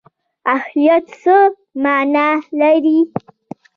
اهلیت څه مانا لري؟